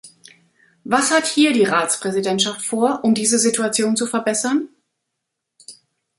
Was hat hier die Ratspräsidentschaft vor, um diese Situation zu verbessern?